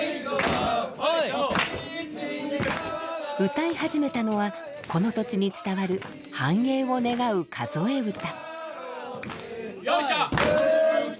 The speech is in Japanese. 歌い始めたのはこの土地に伝わる繁栄を願う数え歌。